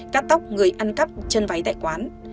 cắt tóc người ăn cắp chân váy tại quán